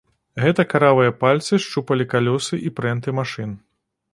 Гэта каравыя пальцы шчупалі калёсы і прэнты машын.